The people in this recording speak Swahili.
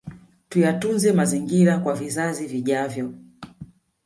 Tuyatunze mazingira kwa vizazi vijavyo